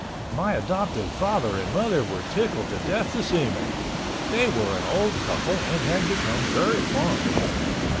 My adopted father and mother were tickled to death to see me. They were an old couple and had become very fond of me.